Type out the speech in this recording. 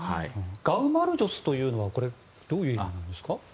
ガウマルジョスというのはどういう意味ですか？